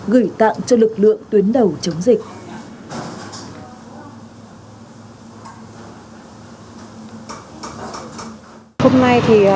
gửi tặng cho lực lượng tuyến đầu chống dịch